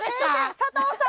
佐藤さん。